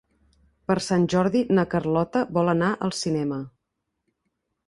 Per Sant Jordi na Carlota vol anar al cinema.